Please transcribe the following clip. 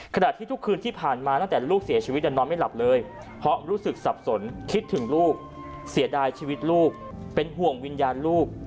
ขณะที่ทุกคืนที่ผ่านมาตั้งแต่ลูกเสียชีวิตนอนไม่หลับเลยเพราะรู้สึกสับสนคิดถึงลูกเสียดายชีวิตลูกเป็นห่วงวิญญาณลูก